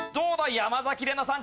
山崎怜奈さん